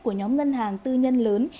của nhóm ngân hàng tư nhân lớn